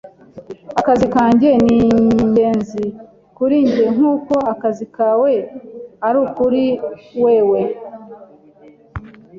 Akazi kanjye ni ingenzi kuri njye nkuko akazi kawe ari kuri wewe.